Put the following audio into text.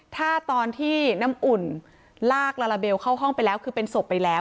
ถ้าตอนที่น้ำอุ่นลากลาลาเบลเข้าห้องไปแล้วคือเป็นศพไปแล้ว